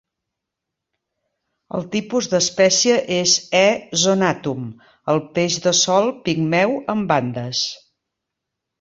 El tipus d'espècie és "E. zonatum", el peix de sol pigmeu amb bandes.